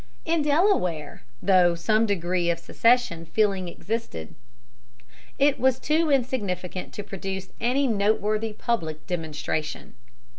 In Delaware, though some degree of secession feeling existed, it was too insignificant to produce any note worthy public demonstration.